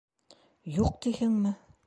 Юҡ, тиһеңме?